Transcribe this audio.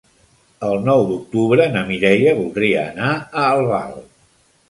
El nou d'octubre na Mireia voldria anar a Albal.